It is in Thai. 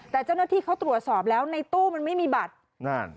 แต่เจ้าหน้าที่เขาตรวจสอบแล้วในตู้มันไม่มีบัตรนั่น